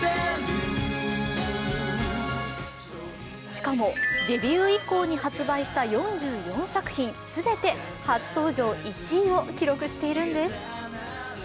しかも、デビュー以降に発売した４４作品全て初登場１位を記録しているんです。